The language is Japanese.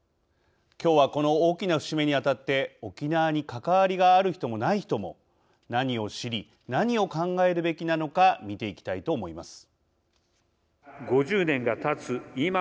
きょうはこの大きな節目にあたって沖縄に関わりがある人もない人も何を知り、何を考えるべきなのか見ていきたいと思います。